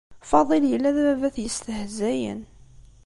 Faḍil yella d ababat yestahzayen.